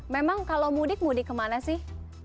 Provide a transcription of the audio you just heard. memang kalau mudik mudik kemana sih